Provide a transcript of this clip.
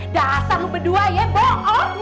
dasar berdua ya bohong